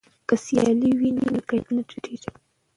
که سیالي وي نو کیفیت نه ټیټیږي.